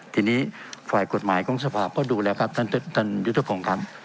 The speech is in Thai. ทีนี้ฝ่ายกฎหมายของสภาพก็ดูแล้วครับท่านยุทธพงศ์ครับ